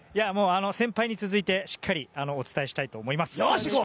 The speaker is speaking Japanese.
先輩に続いてしっかりお伝えしたいと思います。